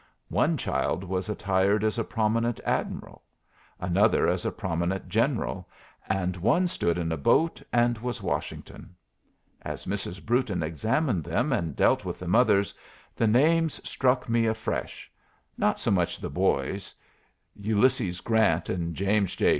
One child was attired as a prominent admiral; another as a prominent general; and one stood in a boat and was Washington. As Mrs. Brewton examined them and dealt with the mothers, the names struck me afresh not so much the boys; Ulysses Grant and James J.